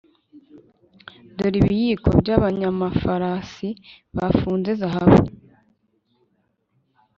Dore ibiyiko byabanyamafarasi bafunze zahabu